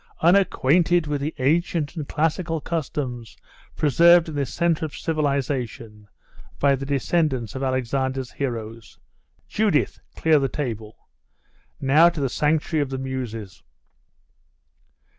unacquainted with the ancient and classical customs preserved in this centre of civilisation by the descendants of Alexander's heroes? Judith! clear the table. Now to the sanctuary of the Muses!